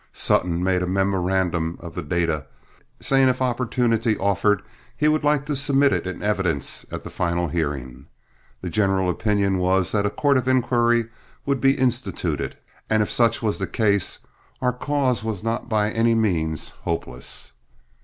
Sutton made a memorandum of the data, saying if opportunity offered he would like to submit it in evidence at the final hearing. The general opinion was that a court of inquiry would be instituted, and if such was the case, our cause was not by any means hopeless.